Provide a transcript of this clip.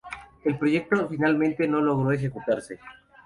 El proyecto finalmente no logró ejecutarse.